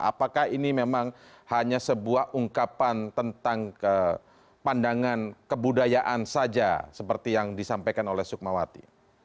apakah ini memang hanya sebuah ungkapan tentang pandangan kebudayaan saja seperti yang disampaikan oleh sukmawati